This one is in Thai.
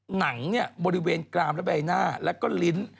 หนังบริเวณกรามและใบหน้าแล้วก็ลิ้น